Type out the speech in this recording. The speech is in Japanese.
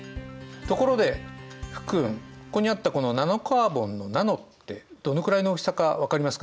ところで福君ここにあったこの「ナノカーボン」の「ナノ」ってどのくらいの大きさか分かりますか？